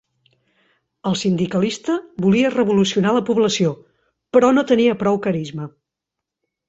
El sindicalista volia revolucionar la població, però no tenia prou carisma.